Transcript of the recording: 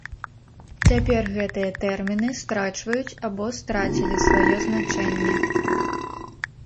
Цяпер гэтыя тэрміны страчваюць або страцілі сваё значэнне.